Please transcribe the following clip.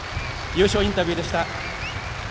優勝インタビューでした。